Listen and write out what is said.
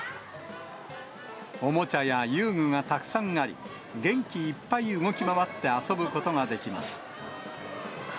おもちゃや遊具がたくさんあり、元気いっぱい動き回って遊ぶことができます。